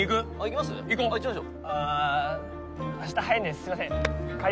すいません。